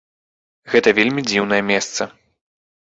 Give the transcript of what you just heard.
Гэта вельмі дзіўнае месца.